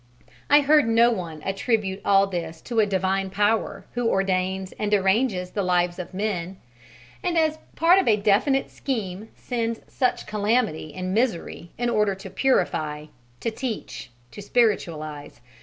I heard no one attribute all this to a Divine Power who ordains and arranges the lives of men, and as part of a definite scheme sends such calamity and misery in order to purify, to teach, to spiritualize.